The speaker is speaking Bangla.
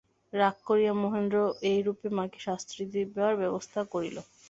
রাগ করিয়া মহেন্দ্র এইরূপে মাকে শান্তি দিবার ব্যবস্থা করিল।